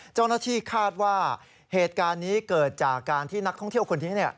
เจ้าหน้าที่คาดว่าเหตุการณ์นี้เกิดจากการที่นักท่องเที่ยวคนนี้